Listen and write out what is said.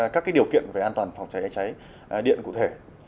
các điều kiện về an toàn phòng cháy cháy điện cụ thể